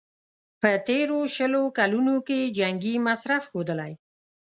په تېرو شلو کلونو کې یې جنګي مصرف ښودلی.